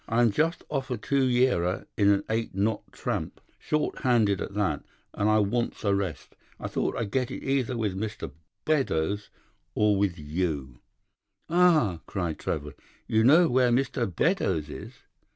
'I'm just off a two yearer in an eight knot tramp, short handed at that, and I wants a rest. I thought I'd get it either with Mr. Beddoes or with you.' "'Ah!' cried Trevor. 'You know where Mr. Beddoes is?